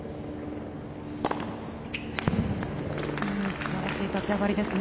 素晴らしい立ち上がりですね。